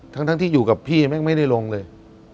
ทั้งที่อยู่กับพี่แม่งไม่ได้ลงเลย